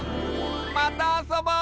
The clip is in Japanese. またあそぼうね！